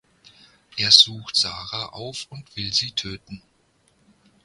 Er sucht Sarah auf und will sie töten.